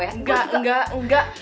enggak enggak enggak